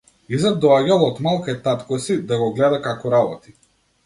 Изет доаѓал од мал кај татко си, да го гледа како работи.